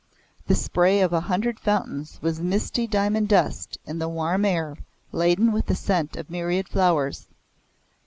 The spray of a hundred fountains was misty diamond dust in the warm air laden with the scent of myriad flowers.